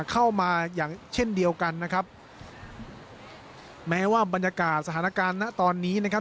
เข้ามาอย่างเช่นเดียวกันนะครับแม้ว่าบรรยากาศสถานการณ์ณตอนนี้นะครับ